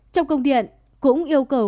trong công điện cũng yêu cầu